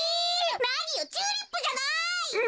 なによチューリップじゃない！